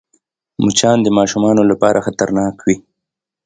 مچان د ماشومانو لپاره خطرناک وي